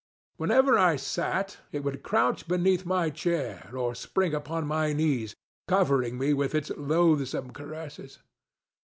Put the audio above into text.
Whenever I sat, it would crouch beneath my chair, or spring upon my knees, covering me with its loathsome caresses.